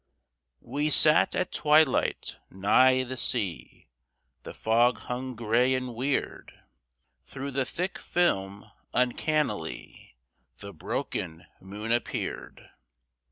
We sat at twilight nigh the sea, The fog hung gray and weird. Through the thick film uncannily The broken moon appeared.